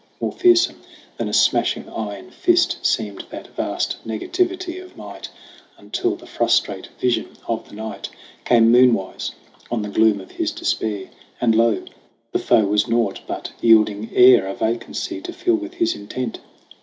More fearsome than a smashing iron fist Seemed that vast negativity of might ; Until the frustrate vision of the night Came moonwise on the gloom of his despair. And lo, the foe was naught but yielding air, A vacancy to fill with his intent